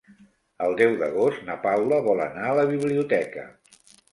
El deu d'agost na Paula vol anar a la biblioteca.